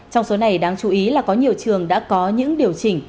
trong số này đáng chú ý là có nhiều trường đã có những điều chỉnh